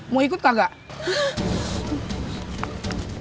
mau ikut kagak